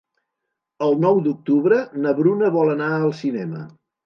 El nou d'octubre na Bruna vol anar al cinema.